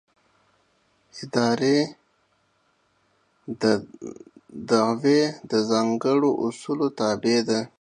اداري دعوې د ځانګړو اصولو تابع دي.